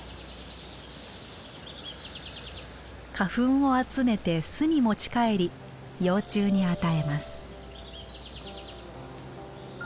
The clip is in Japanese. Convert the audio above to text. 花粉を集めて巣に持ち帰り幼虫に与えます。